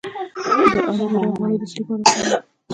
د الوویرا غوړي د څه لپاره وکاروم؟